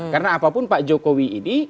karena apapun pak jokowi ini